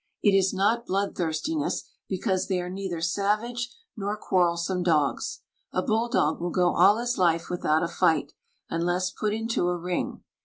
It is not bloodthirstiness, because they are neither savage nor quarrelsome dogs: a bulldog will go all his life without a fight, unless put into a ring.